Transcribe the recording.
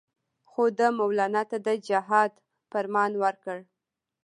خو ده مولنا ته د جهاد فرمان ورکړ.